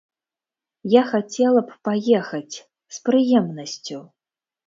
Я хацела б паехаць, з прыемнасцю.